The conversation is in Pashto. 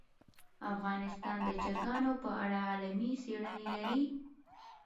افغانستان د چرګانو په اړه علمي څېړني لري.